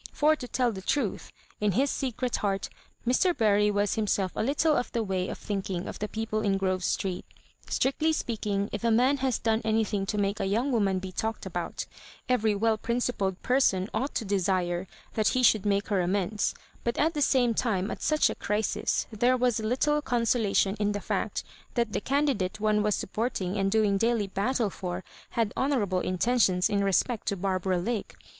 For to tell the truth, in his secret heart Mr. Bury was himself a litUe of the way of thinking of the people in Grove Street Strictly speaking, if a man has done anything to make a young woman be talked about, every well princ^led person ought to desire that he should make her amends ; but at the same time at such a crisis there was little cons(dation in the fact that the candidate one was supporting and doing daily battle for had honourable intentions in lesgedL to Barbara Lake.